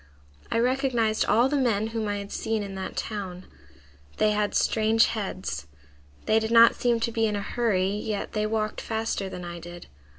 I recognized all the men whom I had seen in that town. They had strange heads. They did not seem to be in a hurry, yet they walked faster than I did.